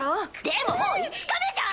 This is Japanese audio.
でももう５日目じゃん！